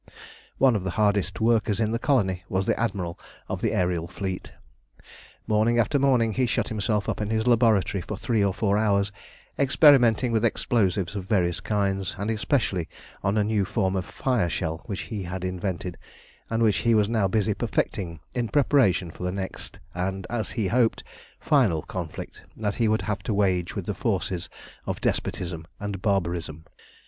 One of the hardest workers in the colony was the Admiral of the aërial fleet. Morning after morning he shut himself up in his laboratory for three or four hours experimenting with explosives of various kinds, and especially on a new form of fire shell which he had invented, and which he was now busy perfecting in preparation for the next, and, as he hoped, final conflict that he would have to wage with the forces of despotism and barbarism.